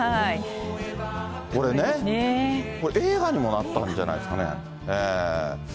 これね、これ、映画にもなったんじゃないですかね。